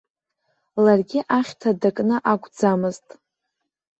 Ларгьы ахьҭа дакны акәӡамызт.